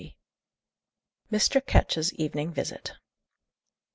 MR. KETCH'S EVENING VISIT.